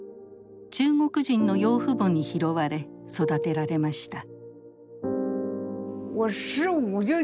中国人の養父母に拾われ育てられました。